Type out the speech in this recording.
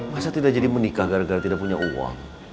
masa tidak jadi menikah gara gara tidak punya uang